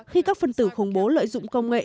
khi các phần tử khủng bố lợi dụng công nghệ